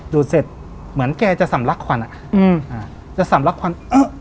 ดูดเสร็จเหมือนแกจะสำลักขวัญจะสำลักขวัญ